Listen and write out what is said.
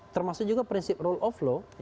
termasuk juga prinsip rule of law